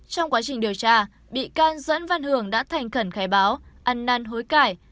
trong quá trình điều tra bị can dẫn văn hưởng đã thành khẩn khai báo ăn năn hối cải